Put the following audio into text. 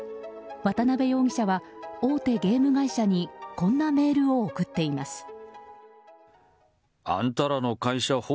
渡辺容疑者は大手ゲーム会社にこんなメールを送っています。